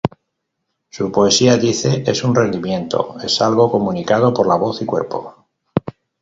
Su poesía, dice, es un rendimiento, es algo comunicado por la voz y cuerpo.